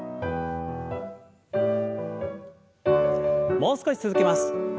もう少し続けます。